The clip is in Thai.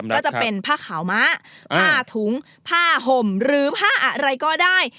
ก็จะเป็นผ้าขาวม้าผ้าถุงผ้าห่มหรือผ้าอะไรก็ได้